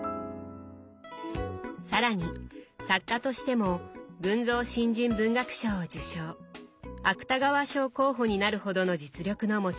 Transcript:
更に作家としても群像新人文学賞を受賞芥川賞候補になるほどの実力の持ち主。